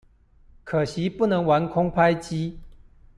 可惜不能玩空拍機